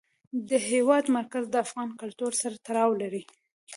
د هېواد مرکز د افغان کلتور سره تړاو لري.